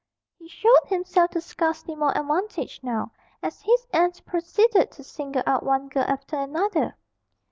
He showed himself to scarcely more advantage now, as his aunt proceeded to single out one girl after another.